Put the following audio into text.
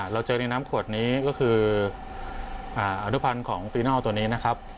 เราเจอในน้ำขวดนี้ก็คืออนุพันธ์ของฟีนอลตัวนี้นะครับ